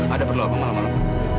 ada perlu apa malem malem